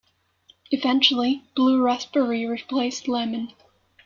Eventually, blue raspberry replaced lemon.